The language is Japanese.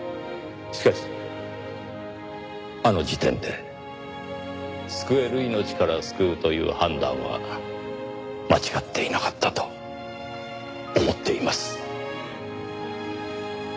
しかしあの時点で救える命から救うという判断は間違っていなかったと思っています。